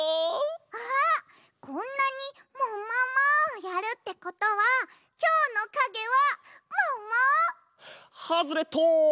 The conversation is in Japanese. あっこんなに「ももも！」をやるってことはきょうのかげはもも？ハズレット！